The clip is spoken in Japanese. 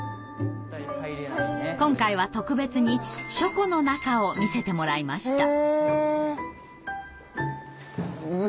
今回は特別に書庫の中を見せてもらいました。